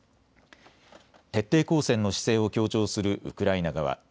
徹底抗戦の姿勢を強調するウクライナ側。